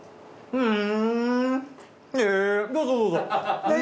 うん。